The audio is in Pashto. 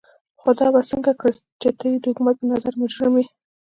خو دا به څنګه کړې چې ته د حکومت په نظر مجرم يې.